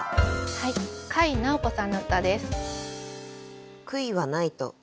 はい甲斐直子さんの歌です。